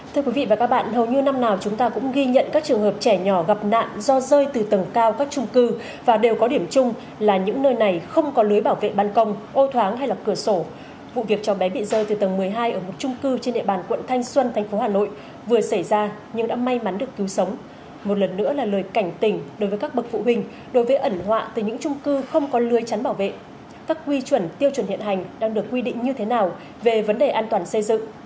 thưa quý vị và các bạn hầu như năm nào chúng ta cũng ghi nhận các trường hợp trẻ nhỏ gặp nạn do rơi từ tầng cao các trung cư và đều có điểm chung là những nơi này không có lưới bảo vệ bàn công ô thoáng hay là cửa sổ vụ việc cho bé bị rơi từ tầng một mươi hai ở một trung cư trên địa bàn quận thanh xuân thành phố hà nội vừa xảy ra nhưng đã may mắn được cứu sống một lần nữa là lời cảnh tỉnh đối với các bậc phụ huynh đối với ẩn họa từ những trung cư không có lưới chắn bảo vệ các quy chuẩn tiêu chuẩn hiện hành đang được quy định như thế nào về vấn đề an toàn xây dựng